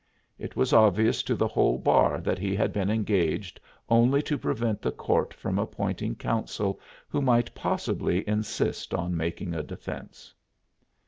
It was obvious to the whole bar that he had been engaged only to prevent the court from appointing counsel who might possibly insist on making a defense.